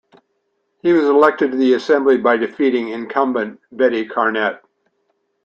He was elected to the Assembly by defeating incumbent Betty Karnette.